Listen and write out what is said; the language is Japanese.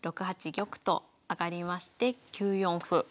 ６八玉と上がりまして９四歩。